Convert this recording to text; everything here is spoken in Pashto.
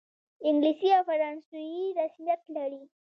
انګلیسي او فرانسوي رسمیت لري.